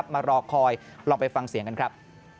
มารอคอยลองไปฟังเสียงกันครับ